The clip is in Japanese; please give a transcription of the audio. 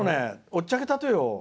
おっちゃけたとよ。